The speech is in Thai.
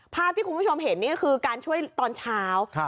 ภาพที่คุณผู้ชมเห็นนี่คือการช่วยตอนเช้า